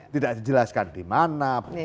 tidak dijelaskan di mana